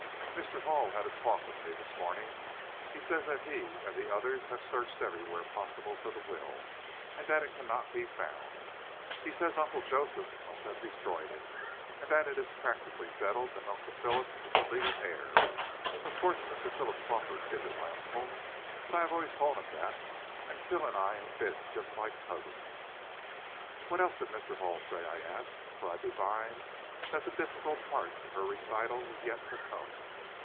"Mr. Hall had a talk with me this morning. He says that he and the others have searched everywhere possible for the will, and it cannot be found. He says Uncle Joseph must have destroyed it, and that it is practically settled that Uncle Philip is the legal heir. Of course, Mr. Philip Crawford isn't my uncle, but I have always called him that, and Phil and I have been just like cousins." "What else did Mr. Hall say?" I asked, for I divined that the difficult part of her recital was yet to come.